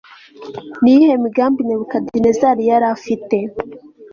Ni iyihe migambi Nebukadinezari yari afitiye